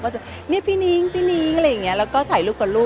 จะเนี่ยพี่นิ้งพี่นิ้งอะไรอย่างนี้แล้วก็ถ่ายรูปกับลูก